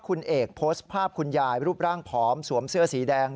คุณเอกโพสต์ภาพคุณยายรูปร่างผอมสวมเสื้อสีแดง